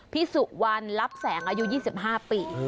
พี่สุวรรณรับแสงอายุ๒๕ปี